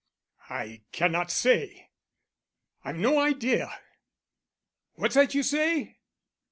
I cannot say: I've no idea. What's that you say?